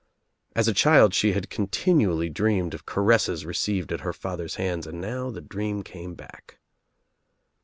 As a child she had continually dreamed of caresses received at her father's hands and now the dream came back.